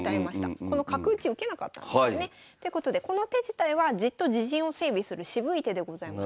この角打ち受けなかったんですよね。ということでこの手自体はじっと自陣を整備する渋い手でございます。